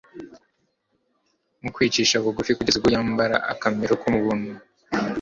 "Mu kwicisha bugufi kugeza ubwo yambara akamero k'umuntu;